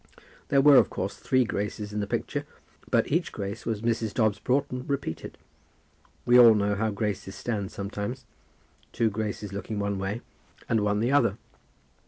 There were, of course, three Graces in the picture, but each Grace was Mrs. Dobbs Broughton repeated. We all know how Graces stand sometimes; two Graces looking one way, and one the other.